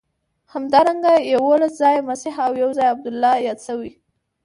همدارنګه یوولس ځایه مسیح او یو ځای عبدالله یاد شوی.